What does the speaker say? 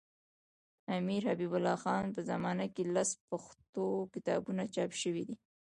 د امیرحبیب الله خان په زمانه کي لس پښتو کتابونه چاپ سوي دي.